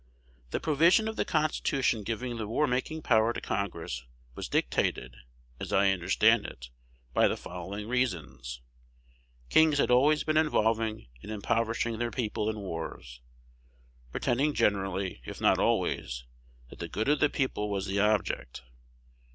The provision of the Constitution giving the war making power to Congress was dictated, as I understand it, by the following reasons: kings had always been involving and impoverishing their people in wars, pretending generally, if not always, that the good of the people was the object.